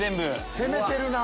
攻めてるなぁ。